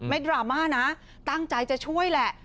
ดราม่านะตั้งใจจะช่วยแหละ